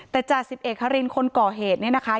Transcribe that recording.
แต่จ่า๑๑คารินคนก่อเหตุเนี่ยนะคะ